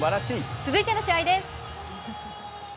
続いての試合です。